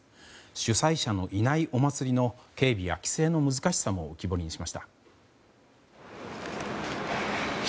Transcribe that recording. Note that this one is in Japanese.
主催者のいないお祭りの警備や規制の難しさも浮き彫りにしました。